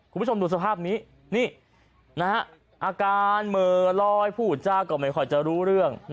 คุณผู้ชมดูสภาพนี้นี่อาการเหม่อลอยพูดจาก็ไม่ค่อยจะรู้เรื่อง